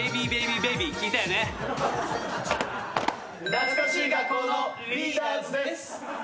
懐かしい学校のリーダーズです。